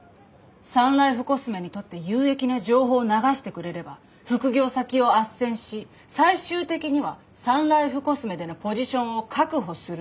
「サンライフコスメにとって有益な情報を流してくれれば副業先をあっせんし最終的にはサンライフコスメでのポジションを確保する」と。